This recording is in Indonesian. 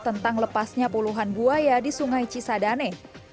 tentang lepasnya puluhan buaya di sungai cisadane